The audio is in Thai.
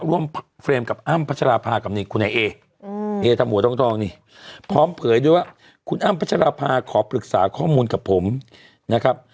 อือธนายเจมส์เรือนี้เมื่อก่อนหลายคนพูดว่าโห